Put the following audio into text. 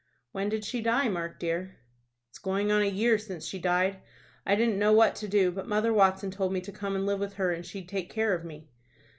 "When did she die, Mark dear?" "It's going on a year since she died. I didn't know what to do, but Mother Watson told me to come and live with her, and she'd take care of me."